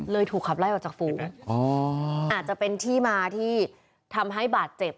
ถูกขับไล่ออกจากฝูงอ๋ออาจจะเป็นที่มาที่ทำให้บาดเจ็บ